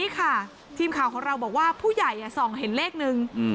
นี่ค่ะทีมข่าวของเราบอกว่าผู้ใหญ่ส่องเห็นเลขนึง